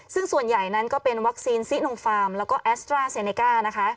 ซึ่งส่วนใหญ่นั้นก็เป็นวัคซีนซิโนฟาร์มแล้วก็แอสตราเซเนก้านะคะ